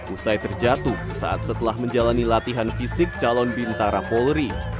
usai terjatuh sesaat setelah menjalani latihan fisik calon bintara polri